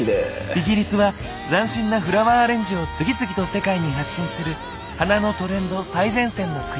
イギリスは斬新なフラワーアレンジを次々と世界に発信する花のトレンド最前線の国。